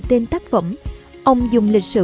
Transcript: tên tác phẩm ông dùng lịch sử